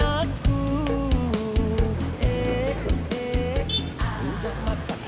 udah ke mata